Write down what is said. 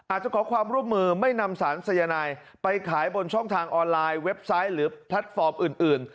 ขอความร่วมมือไม่นำสารสายนายไปขายบนช่องทางออนไลน์เว็บไซต์หรือแพลตฟอร์มอื่น